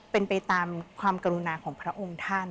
เป็นไปตามความกรุณาของพระองค์ท่าน